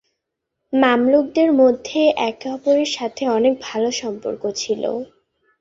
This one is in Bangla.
মামলুকদের মধ্যে একে অপরের সাথে অনেক ভালো সম্পর্ক ছিল।